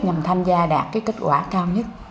nhằm tham gia đạt cái kết quả cao nhất